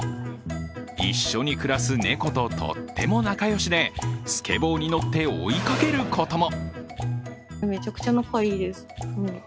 一緒に暮らす猫ととっても仲よしでスケボーに乗って追いかけることも。